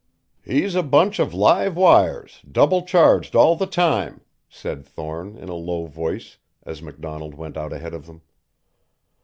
"He's a bunch of live wires, double charged all the time," said Thorne in a low voice as MacDonald went out ahead of them.